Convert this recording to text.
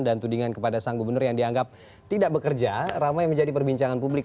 tudingan kepada sang gubernur yang dianggap tidak bekerja ramai menjadi perbincangan publik